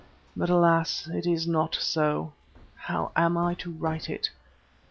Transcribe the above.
But alas! it is not so. How am I to write it?